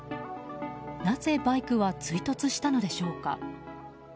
なぜバイクは追突したのでしょうか。